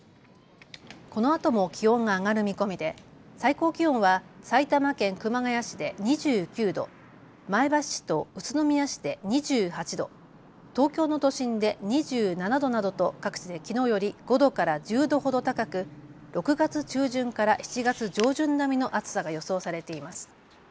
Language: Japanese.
このあとも気温が上がる見込みで最高気温は埼玉県熊谷市で２９度、前橋市と宇都宮市で２８度、東京の都心で２７度などと各地できのうより５度から１０度ほど高く６月中旬から７月上旬並みの暑さが予想されています。